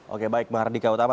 oke baik mbak hardika utama